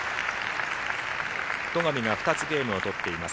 戸上が２つゲームを取っています。